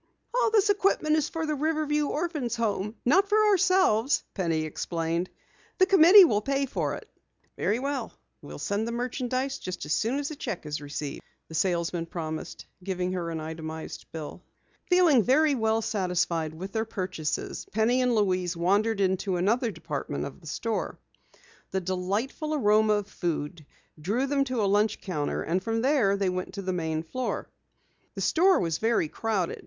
"All this equipment is for the Riverview Orphans' Home not for ourselves," Penny explained. "The committee will pay for it." "Very well, we'll send the merchandise just as soon as a cheque is received," the salesman promised, giving her an itemized bill. Feeling very well satisfied with their purchases, Penny and Louise wandered into another department of the store. The delightful aroma of food drew them to a lunch counter, and from there they went to the main floor. The store was very crowded.